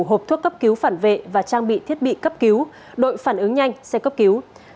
hộp thuốc cấp cứu phản vệ và trang bị thiết bị cấp cứu đội phản ứng nhanh xe cấp cứu